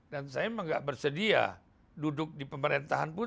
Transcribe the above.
dan saya memang gak bersedia duduk di pemerintahan pun